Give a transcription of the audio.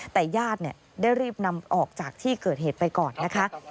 แต่ญาติได้รีบนำออกจากที่เกิดเหตุไปก่อนนะคะ